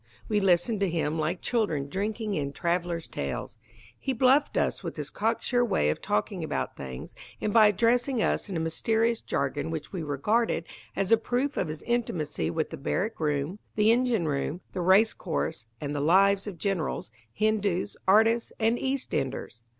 We listened to him like children drinking in travellers' tales. He bluffed us with his cocksure way of talking about things, and by addressing us in a mysterious jargon which we regarded as a proof of his intimacy with the barrack room, the engine room, the racecourse, and the lives of generals, Hindus, artists, and East enders.